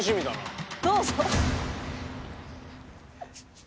どうぞ！